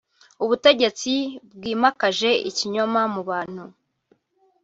ubutegetsi bwimakaje ikinyoma mu bantu